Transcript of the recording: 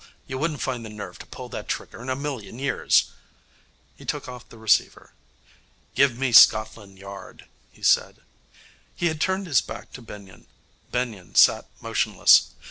You wouldn't find the nerve to pull that trigger in a million years.' He took off the receiver. 'Give me Scotland Yard,' he said. He had turned his back to Benyon. Benyon sat motionless.